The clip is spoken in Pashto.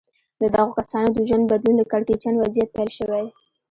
د دغو کسانو د ژوند بدلون له کړکېچن وضعيت پيل شوی.